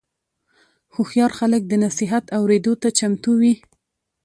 هوښیار خلک د نصیحت اورېدو ته چمتو وي.